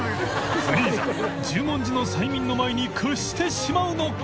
礇侫蝓璽十文字の催眠の前に屈してしまうのか？